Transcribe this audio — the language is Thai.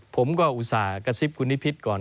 ผมก็อุตส่าห์กระซิบคุณนิพิษก่อน